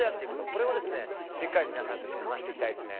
これをしっかりと皆さんと一緒に話していきたいですね。